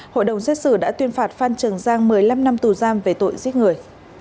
hội đồng xét xử đã tuyên phạt phan trường giang một mươi năm năm tù giam về tội giết người